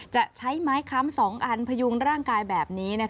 จะใช้ไม้ค้ำ๒อันพยุงร่างกายแบบนี้